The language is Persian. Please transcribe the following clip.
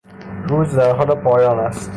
روز در حال پایان است.